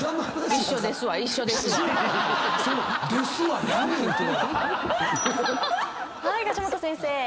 はい梶本先生。